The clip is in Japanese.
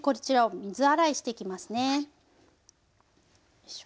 よいしょ。